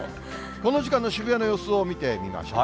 この時間の渋谷の様子を見てみましょう。